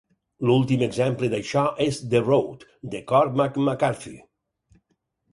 L'últim exemple d'això és "The Road", de Cormac McCarthy.